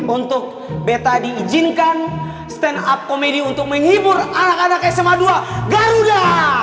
untuk beta diizinkan stand up komedi untuk menghibur anak anak sma dua garuda